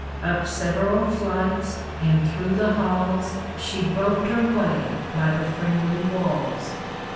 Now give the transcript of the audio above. Up several flights and through the halls She groped her way by the friendly walls.